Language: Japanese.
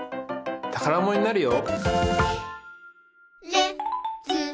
たからものになるよ！